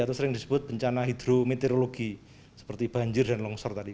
atau sering disebut bencana hidrometeorologi seperti banjir dan longsor tadi